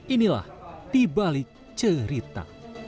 inilah di balik cerita